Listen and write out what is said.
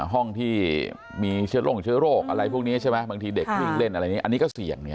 ห้องที่มีเชื้อโรคอะไรพวกนี้ใช่ไหมบางทีเด็กเครื่องเล่นอะไรนี้อันนี้ก็เสี่ยง